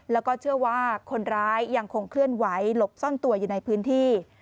แล้วก็เชื่อว่าคนร้ายยังคงเคลื่อนไหวหลบซ่อนตัวอยู่ในพื้นที่